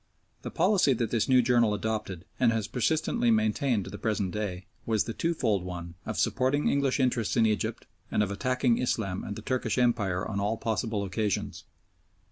The policy that this new journal adopted, and has persistently maintained to the present day, was the twofold one of supporting English interests in Egypt and of attacking Islam and the Turkish Empire on all possible occasions.